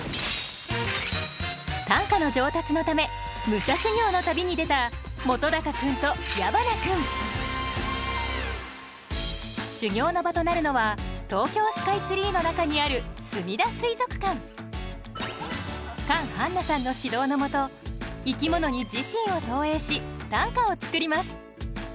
短歌の上達のため武者修行の旅に出た本君と矢花君修行の場となるのは東京スカイツリーの中にあるカン・ハンナさんの指導の下生き物に自身を投影し短歌を作ります。